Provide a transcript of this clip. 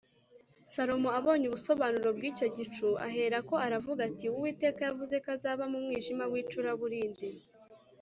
salomo abonye ubusobanuro bw'icyo gicu aherako aravuga ati uwiteka yavuze ko azaba mu mwijima w'icuraburindi